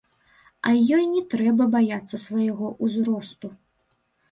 А ёй не трэба баяцца свайго ўзросту.